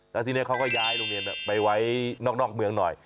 แล้วทีนี้เขาก็ย้ายโรงเรียนไปไว้นอกเมืองหน่อย